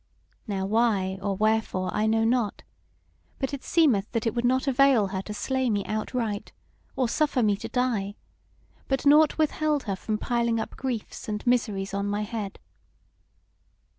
Now why or wherefore I know not, but it seemeth that it would not avail her to slay me outright, or suffer me to die; but nought withheld her from piling up griefs and miseries on my head.